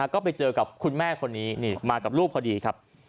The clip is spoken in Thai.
ก็ไปเจอกับคุณแม่คนนี้นี่มากับลูกพอดีครับ